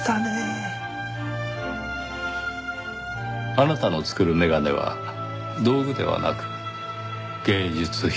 あなたの作る眼鏡は道具ではなく芸術品。